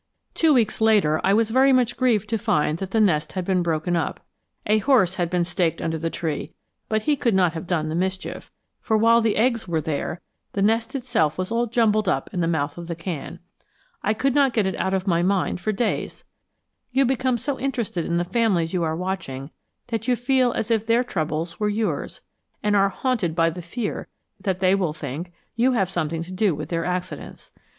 Two weeks later I was much grieved to find that the nest had been broken up. A horse had been staked under the tree, but he could not have done the mischief; for while the eggs were there, the nest itself was all jumbled up in the mouth of the can. I could not get it out of my mind for days. You become so much interested in the families you are watching that you feel as if their troubles were yours, and are haunted by the fear that they will think you have something to do with their accidents.